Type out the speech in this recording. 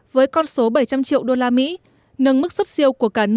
với con số của việt nam trong tháng này tiếp tục thẳng dư